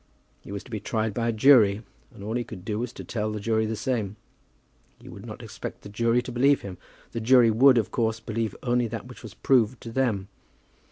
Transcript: He was to be tried by a jury, and all he could do was to tell the jury the same. He would not expect the jury to believe him. The jury would, of course, believe only that which was proved to them.